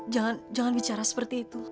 jangan bicara seperti itu